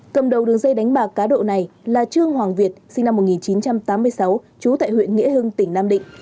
cầm đầu đường dây đánh bạc cá độ này là trương hoàng việt sinh năm một nghìn chín trăm tám mươi sáu trú tại huyện nghĩa hưng tỉnh nam định